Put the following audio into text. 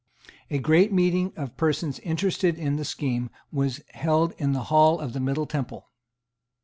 A great meeting of persons interested in the scheme was held in the Hall of the Middle Temple.